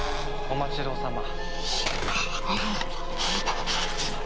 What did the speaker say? お待ちどおさま。